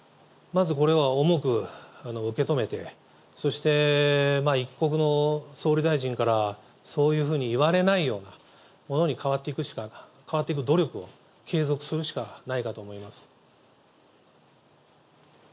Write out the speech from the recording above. まずこれは重く受け止めて、そして一国の総理大臣からそういうふうに言われないように、ものに変わっていくしか、変わっていく努力を継続するしかないと思います。